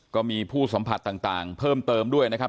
ก็มีผู้สัมผัสต่างเพิ่มเติมด้วยนะครับ